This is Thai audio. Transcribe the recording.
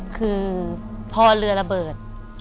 คือพอเรือระเบิด